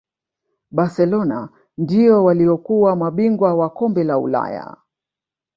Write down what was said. barcelona ndio waliyokuwa mabingwa wa kombe la ulaya